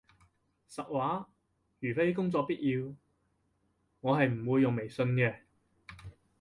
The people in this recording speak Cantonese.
實話，如非工作必要，我係唔會用微信嘅